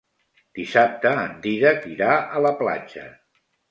Dissabte en Dídac irà a la platja.